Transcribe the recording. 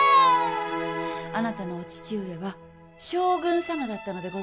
あなたのお父上は将軍様だったのでございますよ。